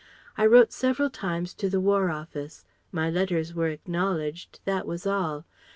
I wrote several times to the War Office, my letters were acknowledged, that was all.